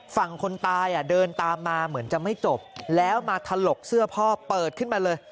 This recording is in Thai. ฝั่งคนตายเดินตามมาเหมือนจะไม่จบแล้วมาถลกเสื้อพ่อเปิดขึ้นมาเลย